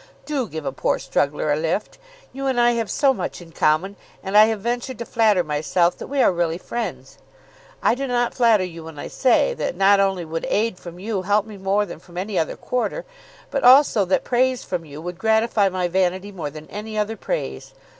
Do give a poor struggler a lift. You and I have so much in common, and I have ventured to flatter myself that we are really friends! I do not flatter you when I say, that not only would aid from you help me more than from any other quarter, but also that praise from you would gratify my vanity more than any other praise.